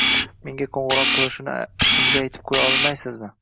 Menga qo’ng’iroq qilishini unga aytib qo’ya olmaysizmi?